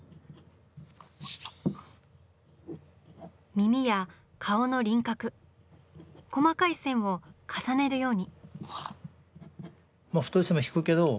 耳や顔の輪郭細かい線を重ねるように。